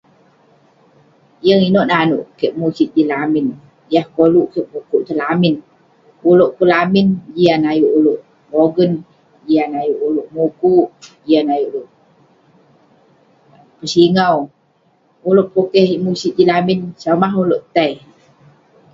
Yeng inouk nanouk kek musit jin lamin. Yah koluk kik mukuk tong lamin. Ulouk pun lamin, jian ayuk ulouk pogen, jian ayuk ulouk mukuk, jian ayuk ulouk pesingau. Ulouk pukeh musit jin lamin, somah ulouk tai?